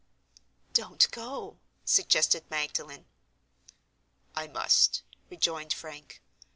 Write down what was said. "Don't go," suggested Magdalen. "I must," rejoined Frank.